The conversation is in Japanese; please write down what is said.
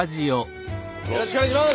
よろしくお願いします！